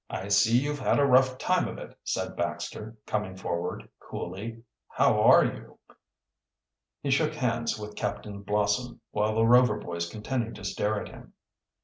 "I see you've had a rough time of it," said Baxter, coming forward coolly. "How are you?" He shook hands with Captain Blossom, while the Rover boys continued to stare at him.